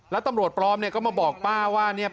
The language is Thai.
แล้วตำรวจปลอมเนี่ยก็มาบอกป้าว่าเนี่ย